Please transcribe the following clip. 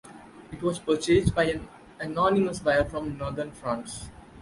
It was purchased by an anonymous buyer from northern France.